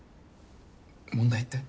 問題って？